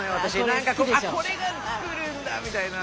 何かこれが作るんだみたいな。